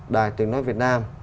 đài tuyên nói việt nam